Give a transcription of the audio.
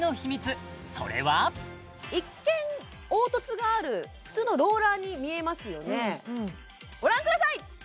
それは一見凹凸がある普通のローラーに見えますよねご覧ください！